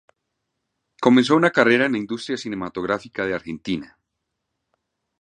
Comenzó una carrera en la industria cinematográfica de Argentina.